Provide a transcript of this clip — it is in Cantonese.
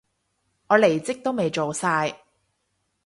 我離職都未做晒